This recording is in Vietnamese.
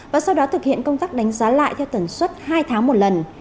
và sau đó thực hiện công tác đánh giá lại theo tần suất hai tháng một lần